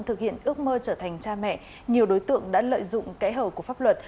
thực hiện ước mơ trở thành cha mẹ nhiều đối tượng đã lợi dụng kẻ hầu của pháp luật